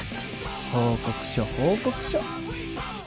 報告書報告書！